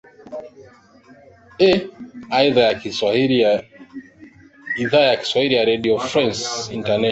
ee idhaa ya kiswahili ya redio france international